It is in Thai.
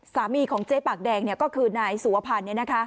ของเจ๊ปากแดงก็คือนายสุวพันธ์